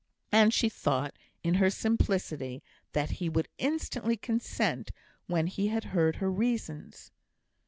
And she thought, in her simplicity, that he would instantly consent when he had heard her reasons.